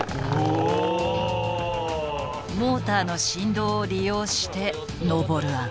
モーターの振動を利用して登る案。